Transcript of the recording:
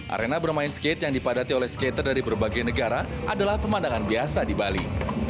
arena bermain skate yang dipadati oleh skater dari berbagai negara adalah pemandangan biasa di bali